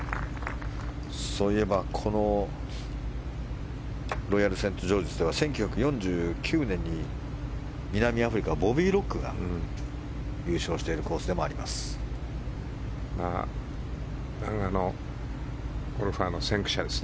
そういえば、このロイヤル・セントジョージズでは１９４９年に南アフリカ、ボビー・ロックが優勝しているコースでもあります。